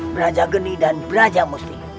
beraja geni dan beraja musti